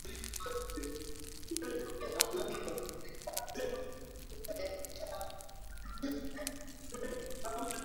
Hivyo Kiswahili kilizaliwa kuwa lugha ya Kibantu